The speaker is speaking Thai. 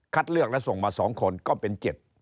เลือกและส่งมา๒คนก็เป็น๗